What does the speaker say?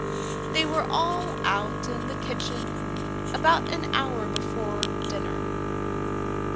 They were all out in the kitchen about an hour before dinner.